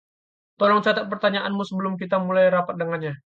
tolong catat pertanyaanmu sebelum kita mulai rapat dengannya